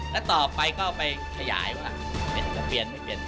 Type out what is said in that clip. และต่อไปก็ไปขยายว่าเปลี่ยนก็เปลี่ยนไม่เปลี่ยน